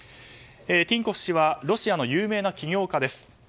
ティンコフ氏はロシアの有名な企業家です。